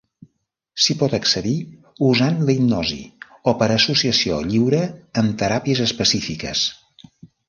S'hi pot accedir usant la hipnosi o per associació lliure amb teràpies específiques.